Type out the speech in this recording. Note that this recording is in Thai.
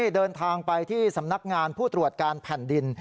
เดินทางไปที่สำนักงานผู้ตรวจการแผ่นดิน